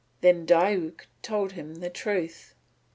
Then Diuk told him all the truth.